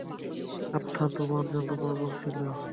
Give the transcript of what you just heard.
Arthur তোমার জন্য পাগল ছিল।